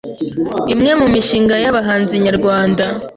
Imwe mu mishinga y’abahanzi nyarwanda